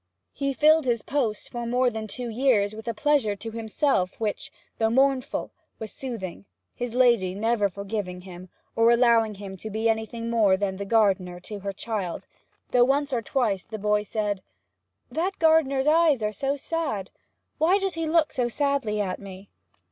He filled his post for more than two years with a pleasure to himself which, though mournful, was soothing, his lady never forgiving him, or allowing him to be anything more than 'the gardener' to her child, though once or twice the boy said, 'That gardener's eyes are so sad! Why does he look so sadly at me?'